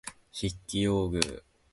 筆記用具